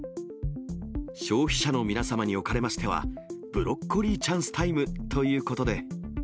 消費者の皆様におかれましては、ブロッコリーチャンスタイムということで。